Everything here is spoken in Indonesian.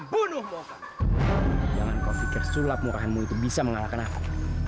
bunuhmu jangan kau pikir sulap mukaanmu itu bisa mengalahkan aku